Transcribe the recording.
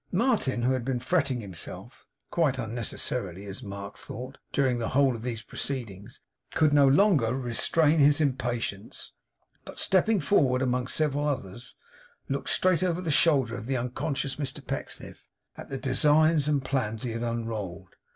Martin, who had been fretting himself quite unnecessarily, as Mark thought during the whole of these proceedings, could no longer restrain his impatience; but stepping forward among several others, looked straight over the shoulder of the unconscious Mr Pecksniff, at the designs and plans he had unrolled.